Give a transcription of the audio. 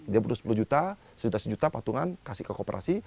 dia butuh sepuluh juta sudah sejuta patungan kasih ke kooperasi